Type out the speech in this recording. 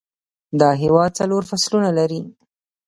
دا هیواد څلور فصلونه لري